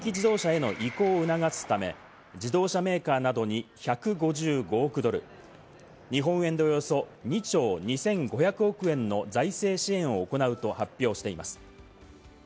バイデン政権は先月末、電気自動車への移行を促すため、自動車メーカーなどに１５５億ドル、日本円でおよそ２兆２５００億円の財政支援を行うと発表しています。